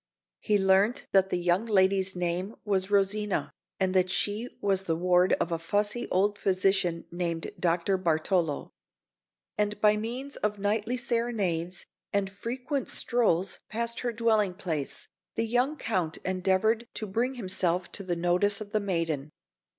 He learnt that the young lady's name was Rosina, and that she was the ward of a fussy old physician named Dr. Bartolo; and by means of nightly serenades and frequent strolls past her dwelling place, the young Count endeavoured to bring himself to the notice of the maiden.